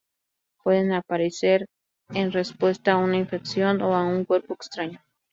Pueden aparecer en respuesta a una infección o a un cuerpo extraño.